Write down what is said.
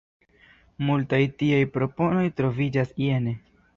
Multaj tiaj proponoj troviĝas jene.